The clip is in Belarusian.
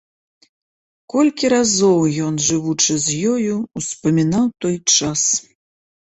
Колькі разоў ён, жывучы з ёю, успамінаў той час.